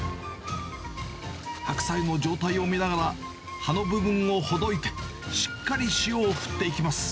白菜の状態を見ながら、葉の部分をほどいて、しっかり塩を振っていきます。